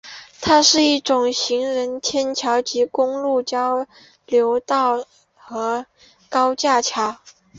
它是一种常用的行人天桥及公路交流道和高架桥。